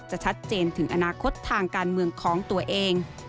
ชัดเจนถึงอนาคตทางการเมืองของตัวเอง